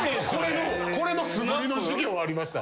これの素振りの授業ありました。